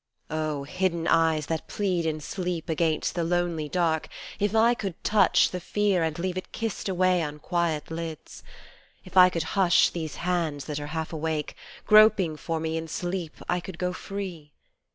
Oh ! hidden eyes that plead in sleep Against the lonely dark, if I could touch the fear And leave it kissed away on quiet lids If I could hush these hands that are half awake, Groping for me in sleep I could go free.